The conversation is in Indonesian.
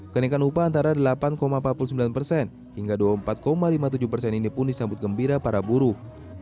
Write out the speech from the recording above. kenaikan upah antara delapan empat puluh sembilan persen hingga dua puluh empat lima puluh tujuh persen ini pun disambut gembira para buruh